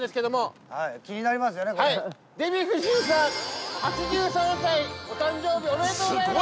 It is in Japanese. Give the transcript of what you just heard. デヴィ夫人さん、８３歳、お誕生日おめでとうございます！